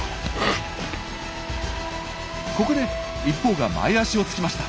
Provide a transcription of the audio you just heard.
ここで一方が前足をつきました。